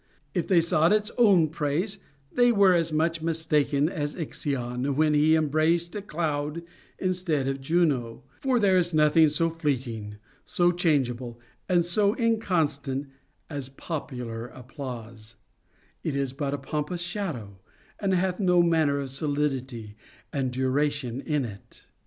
If they sought its own praise, they were as much mistaken as Ixion when he embraced a cloud instead of Juno ; for there is nothing so fleeting, so changeable, and so inconstant as popular ap plause ; it is but a pompous shadow, and hath no manner of solidity and duration in it.